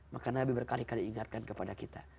maka nabi berkali kali ingatkan kepada kita